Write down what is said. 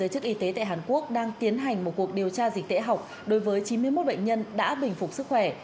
chức y tế tại hàn quốc đang tiến hành một cuộc điều tra dịch tễ học đối với chín mươi một bệnh nhân đã bình phục sức khỏe